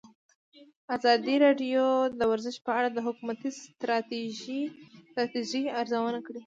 ازادي راډیو د ورزش په اړه د حکومتي ستراتیژۍ ارزونه کړې.